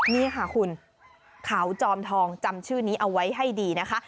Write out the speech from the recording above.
นี่ค่ะคุณเขาจอมทองจำชื่อนี้เอาไว้ให้ดีนะคะ